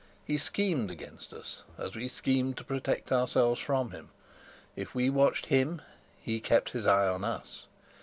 He schemed against us as we schemed to protect ourselves from him; if we watched him, he kept his eye on us.